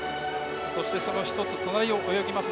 その１つ隣を泳ぎます